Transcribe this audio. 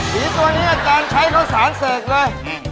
สีตัวนี้อาจารย์ใช้ข้าวสารเสกเลย